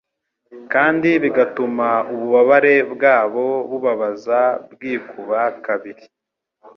kandi bigatuma ububabare bwabo bubabaza bwikuba kabiri